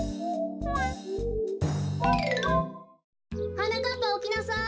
・はなかっぱおきなさい！